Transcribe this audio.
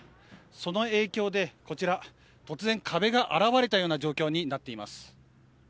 その影響で、こちら突然、壁が現れたような状況になっています。